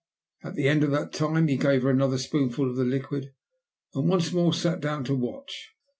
At the end of that time he gave her another spoonful of the liquid, and once more sat down to watch.